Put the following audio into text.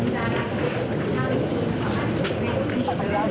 หัวมาที่ง่านของเจ้าพิเศษนะครับ